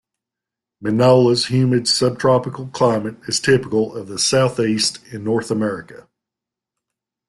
Mineola's humid subtropical climate is typical of the Southeast in North America.